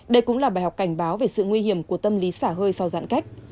đây cũng là bài học cảnh báo về sự nguy hiểm của tâm lý xả hơi sau giãn cách